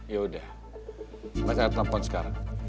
ya udah mas akan telepon sekarang